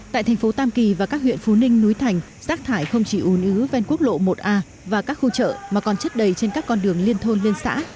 tại thành phố tam kỳ và các huyện phú ninh núi thành rác thải không chỉ ùn ứ ven quốc lộ một a và các khu chợ mà còn chất đầy trên các con đường liên thôn liên xã